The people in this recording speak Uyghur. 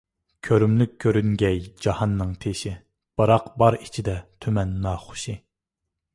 كۆرۈملۈك كۆرۈنگەي جاھاننىڭ تېشى، بىراق بار ئىچىدە تۈمەن ناخۇشى.